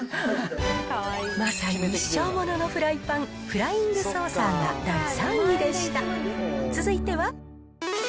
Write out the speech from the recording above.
まさに一生もののフライパン、フライングソーサーが第３位でした。